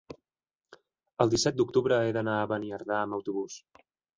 El disset d'octubre he d'anar a Beniardà amb autobús.